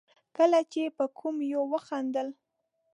کله چې به کوم يوه وخندل.